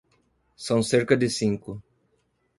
São cerca de cinco.